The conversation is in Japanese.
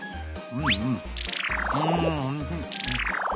うんうん。